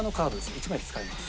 １枚使います。